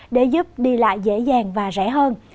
để giúp đi lại dễ dàng và rẻ hơn